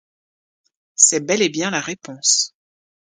c’est bel et bien la réponse.